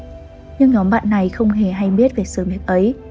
nhưng nhóm bạn này không hề hay biết về sự việc ấy